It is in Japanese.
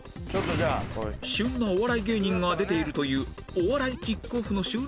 旬なお笑い芸人が出ているという「お笑いキックオフ」の収録スタジオへ